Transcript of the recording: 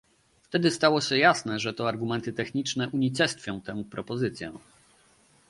Wtedy stało się jasne, że to argumenty techniczne unicestwią tę propozycję